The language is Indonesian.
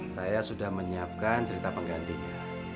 saya sudah menyiapkan cerita penggantinya